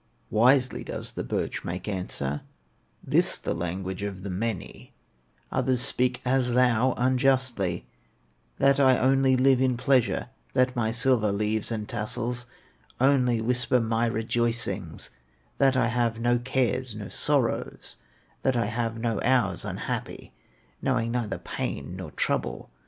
Wisely does the birch make answer: "This the language of the many, Others speak as thou, unjustly, That I only live in pleasure, That my silver leaves and tassels Only whisper my rejoicings; That I have no cares, no sorrows, That I have no hours unhappy, Knowing neither pain nor trouble.